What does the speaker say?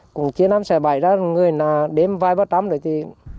cùng chiến ám xe bay ra người nào đem vai bắt đám rồi thì